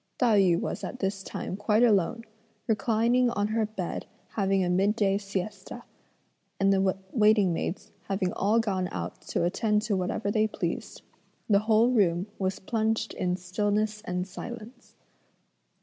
Tai yü was at this time quite alone, reclining on her bed having a midday siesta, and the waiting maids having all gone out to attend to whatever they pleased, the whole room was plunged in stillness and silence.